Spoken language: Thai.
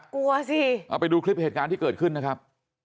กลัวสิเอาไปดูคลิปเหตุการณ์ที่เกิดขึ้นนะครับ